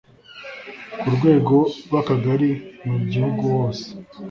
ku rwego rw’akagari mu gihugu hose